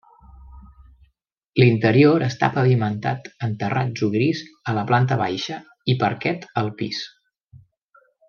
L'interior està pavimentat en terratzo gris a la planta baixa i parquet al pis.